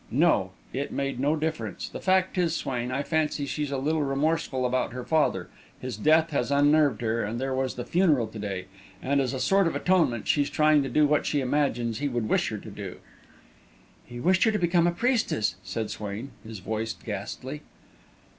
"No; it made no difference. The fact is, Swain, I fancy she's a little remorseful about her father his death has unnerved her and there was the funeral to day and, as a sort of atonement, she's trying to do what she imagines he would wish her to do." "He wished her to become a priestess," said Swain, his voice ghastly.